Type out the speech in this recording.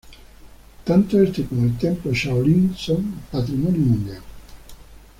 Tanto este como el templo Shaolin son Patrimonio Mundial.